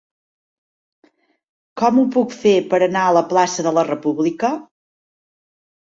Com ho puc fer per anar a la plaça de la República?